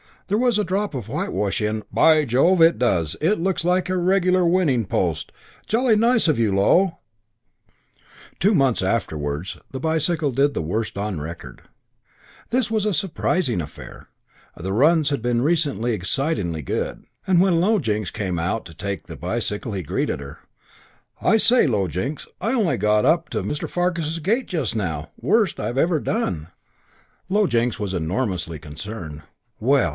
There was a drop of whitewash in " "By Jove, it does. It looks like a regular winning post. Jolly nice of you, Low." Two months afterwards the bicycle did the worst on record. This was a surprising affair; the runs had recently been excitingly good; and when Low Jinks came out to take the bicycle he greeted her: "I say, Low Jinks, I only got just up to Mr. Fargus's gate just now. Worst I've ever done." Low Jinks was enormously concerned. "Well!